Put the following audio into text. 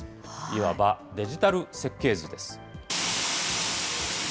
いわばデジタル設計図です。